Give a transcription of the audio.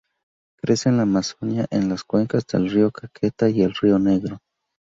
Crece en la Amazonia, en las cuencas del río Caquetá y el río Negro.